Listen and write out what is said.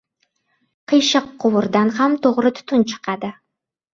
• Qiyshiq quvurdan ham to‘g‘ri tutun chiqadi.